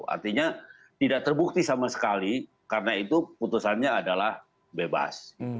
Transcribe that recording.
artinya tidak terbukti sama sekali karena itu putusannya adalah bebas